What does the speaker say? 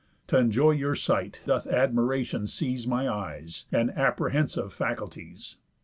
T' enjoy your sight, doth admiration seize My eyes, and apprehensive faculties.